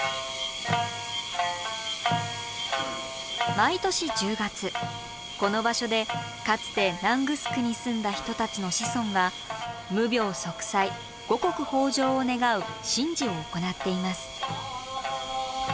毎年１０月この場所でかつて名護城に住んだ人たちの子孫が無病息災・五穀豊穣を願う神事を行っています。